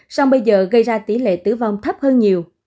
sau bây giờ gây ra tỷ lệ tử vong thấp hơn nhiều